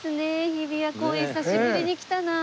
日比谷公園久しぶりに来たな。